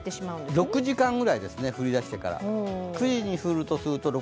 ６時間ぐらいですかね、降り出してから。